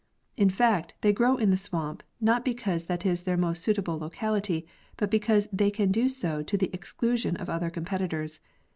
In fact, they grow in the swamp, not because that is their most suitable locality, but because they can do so to the exclusion of other competitors.